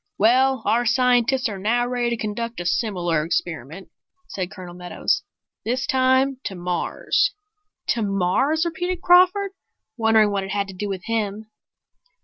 "Well, our scientists are now ready to conduct a similar experiment," said Colonel Meadows. "This time to Mars." "To Mars!" repeated Crawford, wondering what it had to do with him.